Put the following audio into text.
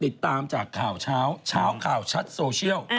ติดตามจากข่าวเช้าเช้าข่าวชัดโซเชียล